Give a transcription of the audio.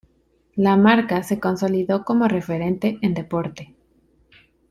La marca se consolidó como referente en deporte.